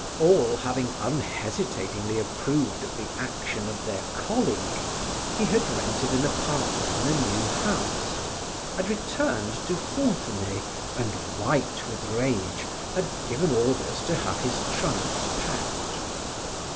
All having unhesitatingly approved of the action of their colleague, he had rented an apartment in a new house, had returned to Fontenay and, white with rage, had given orders to have his trunks packed.